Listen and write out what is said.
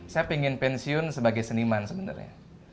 saya ingin pensiun sebagai seniman sebenarnya